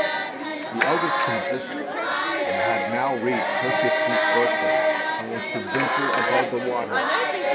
The eldest princess had now reached her fifteenth birthday, and was to venture above the water.